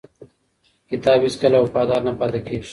کتاب هیڅکله وفادار نه پاتې کېږي.